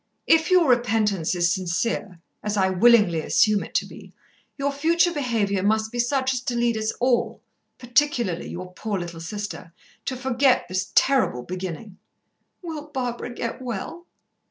"If your repentance is sincere, as I willingly assume it to be, your future behaviour must be such as to lead us all, particularly your poor little sister, to forget this terrible beginning." "Will Barbara get well?"